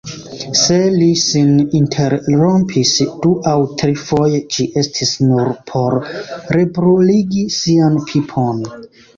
Se li sin interrompis du aŭ trifoje, ĝi estis nur por rebruligi sian pipon.